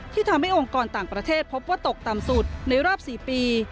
ทำให้องค์กรต่างประเทศพบว่าตกต่ำสุดในรอบ๔ปี